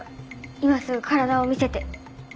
今すぐ体を診せて。